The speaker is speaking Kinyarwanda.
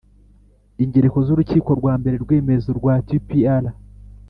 ingereko z'urukiko rwa mbere rw'iremezo rwa tpir